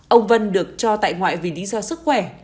ông vân được cho tại ngoại vì lý do sức khỏe